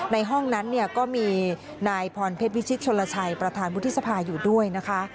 ในห้องนั้นเนี่ยก็มีนายพรเพชรวิชิตชนลชัยประธานวุฒิสภาอยู่ด้วยนะคะ